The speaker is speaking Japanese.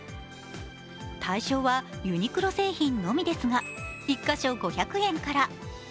対象はユニクロ製品のみですが、１か所５００円から。